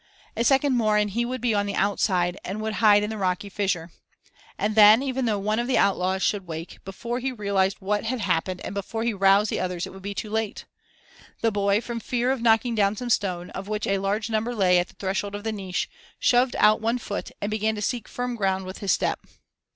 A second more and he would be on the outside, and would hide in the rocky fissure. And then, even though one of the outlaws should wake, before he realized what had happened and before he aroused the others it would be too late. The boy, from fear of knocking down some stone, of which a large number lay at the threshold of the niche, shoved out one foot and began to seek firm ground with his step.